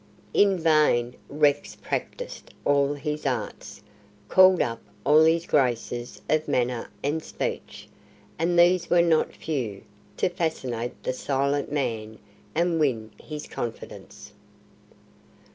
In vain Rex practised all his arts, called up all his graces of manner and speech and these were not few to fascinate the silent man and win his confidence.